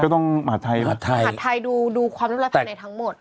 ก็ต้องมหัฐไทยมหัฐไทยมหัฐไทยดูดูความรับรับภาพในทั้งหมด